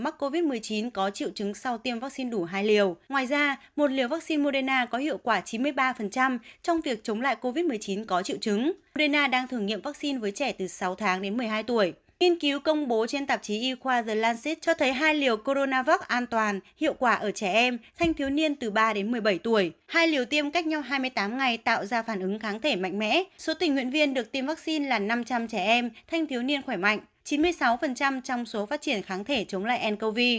số tình nguyện viên được tiêm vaccine là năm trăm linh trẻ em thanh thiếu niên khỏe mạnh chín mươi sáu trong số phát triển kháng thể chống lại ncov